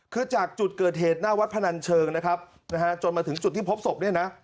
คือจากจุดเกิดเหตุหน้าวัดพนันเชิงจนมาถึงจุดที่พบสก